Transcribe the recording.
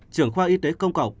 trưởng khoa y tế công cộng